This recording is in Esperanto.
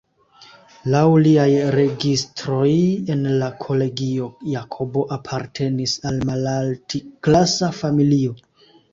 Laŭ liaj registroj en la kolegio, Jakobo apartenis al malalt-klasa familio.